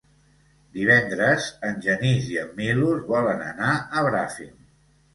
Divendres en Genís i en Milos volen anar a Bràfim.